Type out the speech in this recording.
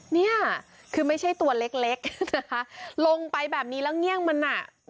เนี่ยคือไม่ใช่ตัวเล็กนะคะลงไปแบบนี้แล้วเงี่ยงมันอ่ะ